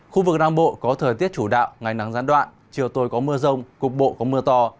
khu vực nam bộ có thời tiết chủ đạo ngày nắng gián đoạn chiều tối có mưa rông cục bộ có mưa to